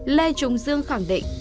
lê trung dương khẳng định